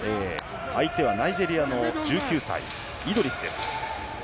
相手はナイジェリアの１９歳、イドリスです。